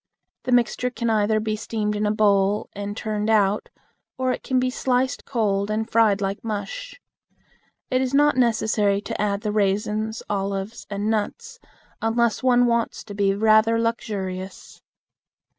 The mixture can either be steamed in a bowl and turned out or it can be sliced cold and fried like mush. It is not necessary to add the raisins, olives, and nuts unless one wants to be rather luxurious.